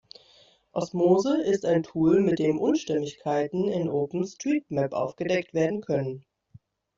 Osmose ist ein Tool, mit dem Unstimmigkeiten in OpenStreetMap aufgedeckt werden können.